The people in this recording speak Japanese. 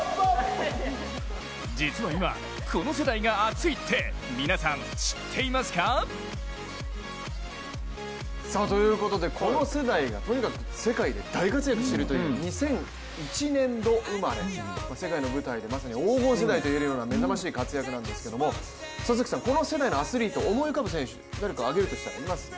実は今、この世代が熱いって皆さん知っていますか？ということでこの世代がとにかく世界で大活躍しているという２００１年度生まれ、世界の舞台でまさに黄金世代といえるような目覚ましい活躍なんですけどもこの世代のアスリート思い浮かぶ選手、誰かいますか？